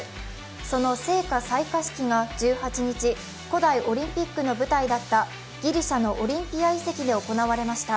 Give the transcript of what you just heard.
その聖火採火式が１８日、古代オリンピックの舞台だったギリシャのオリンピア遺跡で行われました。